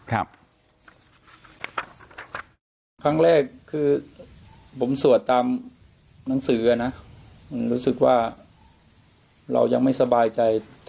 ครั้งแรกคือผมสวดตามหนังสือนะรู้สึกว่าเรายังไม่สบายใจ